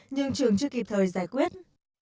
nhưng trường chưa kịp thời giải quyết